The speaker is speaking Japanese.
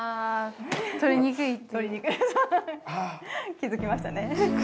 気づきましたね。